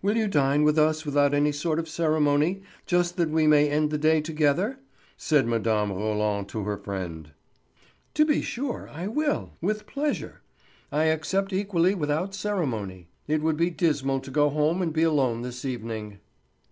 "Will you dine with us without any sort of ceremony, just that we may end the day together?" said Mme. Roland to her friend. "To be sure I will, with pleasure; I accept equally without ceremony. It would be dismal to go home and be alone this evening."